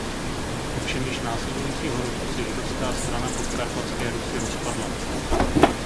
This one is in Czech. Ovšem již následujícího roku se Židovská strana Podkarpatské Rusi rozpadla.